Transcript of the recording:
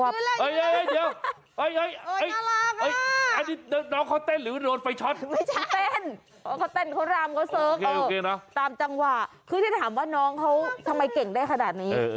เขาเต้นเข้ารามเขาเสิร์คตามจังหวะคือถ้าถามว่าน้องเขาทำไมเก่งได้ขนาดนี้